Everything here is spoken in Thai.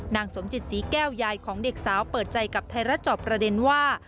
นางสมจิตศรีแก้วยายของเด็กสาวเปิดใจกับไทยรัฐจอบประเด็นว่า